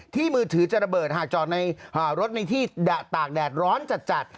มือถือจะระเบิดหากจอดในรถในที่ตากแดดร้อนจัด